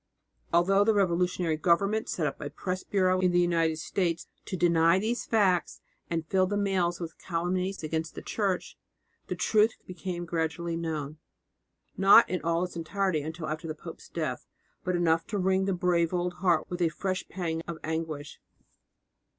Although the revolutionary government set up a press bureau in the United States to deny these facts and fill the mails with calumnies against the Church, the truth became gradually known not in all its entirety until after the pope's death but enough to wring the brave old heart with a fresh pang of anguish